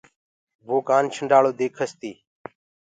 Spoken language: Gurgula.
وو سوپيري ديکس تي۔